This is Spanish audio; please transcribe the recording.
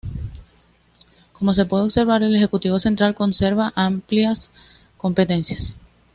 Como se puede observar, el ejecutivo central conserva amplias competencias.